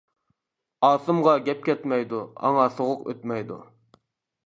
ئاسىمغا گەپ كەتمەيدۇ، ئاڭا سوغۇق ئۆتمەيدۇ.